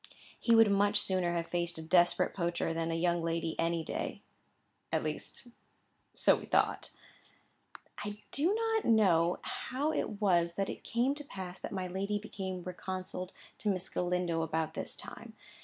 He would much sooner have faced a desperate poacher than a young lady any day. At least so we thought. I do not know how it was that it came to pass that my lady became reconciled to Miss Galindo about this time.